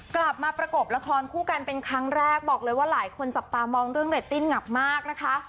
กลับมาประกบละครคู่กันเป็นครั้งแรกบอกเลยว่าหลายคนจับตามองเรื่องเรตติ้งหนักมากนะคะ